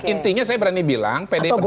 intinya saya berani bilang pdi perjuangan